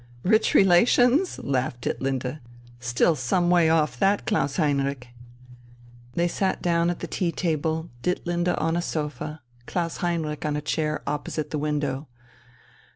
"Rich relations!" laughed Ditlinde. "Still some way off that, Klaus Heinrich!" They sat down at the tea table, Ditlinde on a sofa, Klaus Heinrich on a chair opposite the window.